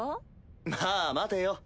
まあ待てよ。